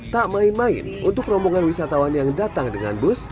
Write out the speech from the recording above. tak main main untuk rombongan wisatawan yang datang dengan bus